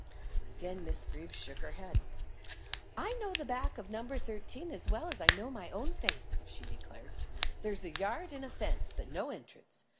Again Miss Greeb shook her head. "I know the back of No. 13 as well as I know my own face," she declared. "There's a yard and a fence, but no entrance.